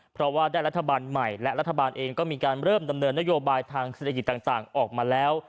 เพราะว่าได้รัฐบาลใหม่และรัฐบาลเองก็มีการเริ่มดำเนินนโยบายทางเศรษฐกิจต่างออกมาแล้ว